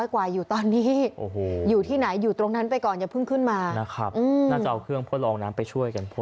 กว่าอยู่ตอนนี้อยู่ที่ไหนอยู่ตรงนั้นไปก่อนอย่าเพิ่งขึ้นมานะครับน่าจะเอาเครื่องทดลองน้ำไปช่วยกัน